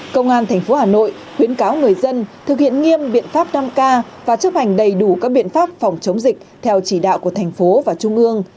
công an tp hà nội khuyến cáo người dân thực hiện nghiêm biện pháp đăng k và chấp hành đầy đủ các biện pháp phòng chống dịch theo chỉ đạo của thành phố và trung ương